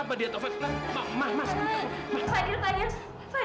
tidak mungkin taufan meninggal